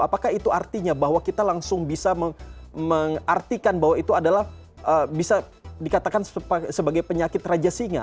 apakah itu artinya bahwa kita langsung bisa mengartikan bahwa itu adalah bisa dikatakan sebagai penyakit raja singa